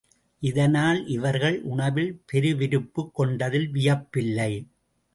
இதனால், இவர்கள் உணவில் பெருவிருப்புக் கொண்டதில் வியப்பில்லை.